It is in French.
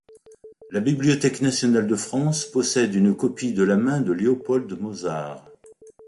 La Bibliothèque nationale de France possède une copie de la main de Leopold Mozart.